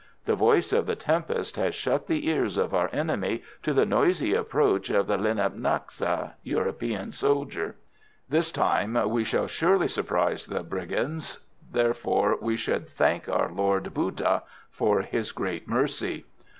The voice of the tempest has shut the ears of our enemy to the noisy approach of the linhtap lanxa (European soldier). This time we shall surely surprise the brigands; therefore we should thank our Lord Bhouddah for his great mercy."